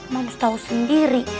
mams tau sendiri